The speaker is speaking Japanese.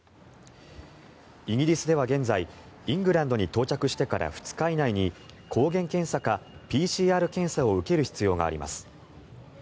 イギリスでは現在イングランドに到着してから２日以内に抗原検査かＰＣＲ検査を受ける必要があります。